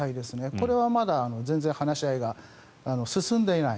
これはまだ全然話し合いが進んでいない。